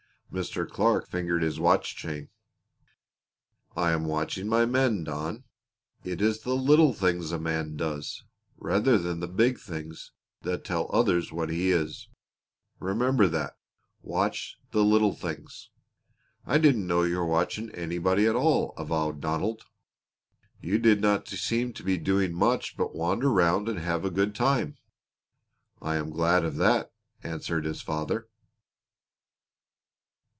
Mr. Clark fingered his watch chain. "I am watching my men, Don. It is the little things a man does rather than the big things that tell others what he is. Remember that. Watch the little things." "I didn't know you were watching anybody at all," avowed Donald. "You did not seem to be doing much but wander round and have a good time." "I am glad of that," answered his father.